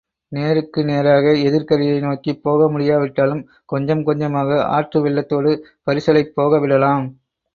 நேருக்கு நேராக எதிர்க்கரையை நோக்கிப் போக முடியாவிட்டாலும் கொஞ்சம் கொஞ்சமாக ஆற்று வெள்ளத்தோடு பரிசலைப் போகவிடலாம்.